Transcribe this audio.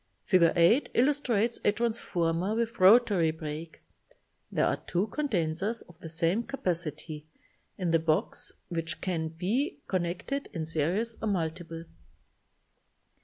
Fig. 8 illustrates a transformer with rotary break. There are two condensers of the same capacity in the box which can be connected in series or multiple.